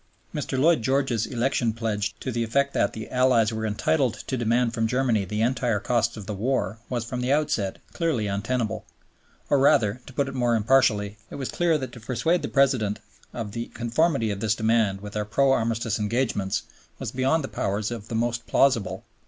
Mr. Lloyd George's election pledge to the effect that the Allies were entitled to demand from Germany the entire costs of the war was from the outset clearly untenable; or rather, to put it more impartially, it was clear that to persuade the President of the conformity of this demand with our pro Armistice engagements was beyond the powers of the most plausible.